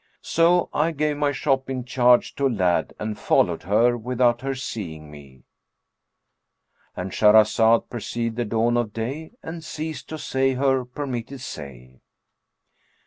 So I gave my shop in charge to a lad and followed her without her seeing me;"—And Shahrazad perceived the dawn of day and ceased to say her permitted say.